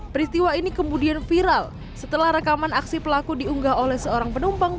peristiwa ini kemudian viral setelah rekaman aksi pelaku diunggah oleh seorang penumpang